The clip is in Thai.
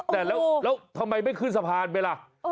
แต่แล้วทำไมไม่ขึ้นสะพานไปล่ะ